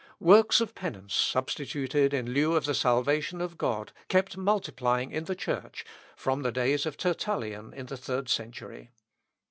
Works of penance substituted in lieu of the salvation of God kept multiplying in the Church from the days of Tertullian in the third century.